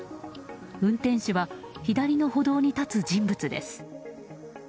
運転手は左の歩道に立つ人物です。